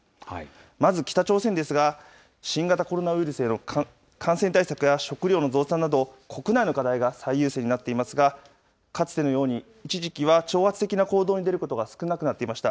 まず北朝鮮ですが、新型コロナウイルスへの感染対策や食糧の増産など、国内の課題が最優先になっていますが、かつてのように、一時期は挑発的な行動に出ることが少なくなっていました。